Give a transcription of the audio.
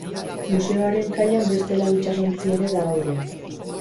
Museoaren kaian beste lau itsasontzi ere badaude.